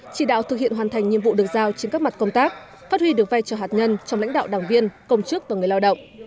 chỉ đạo thực hiện hoàn thành nhiệm vụ được giao trên các mặt công tác phát huy được vai trò hạt nhân trong lãnh đạo đảng viên công chức và người lao động